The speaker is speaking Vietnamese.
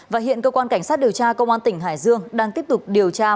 và hiện cơ quan cảnh sát điều tra công an tỉnh hải dương đang tiếp tục điều tra mở rộng vụ án